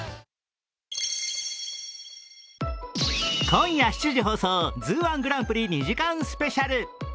今夜７時放送「ＺＯＯ−１グランプリ」２時間スペシャル。